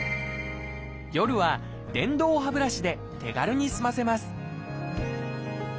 夜は電動歯ブラシで手軽に済ませます